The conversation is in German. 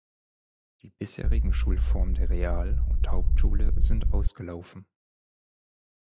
Die bisherigen Schulformen der Real- und Hauptschule sind ausgelaufen.